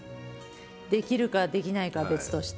できるかできないかは別として。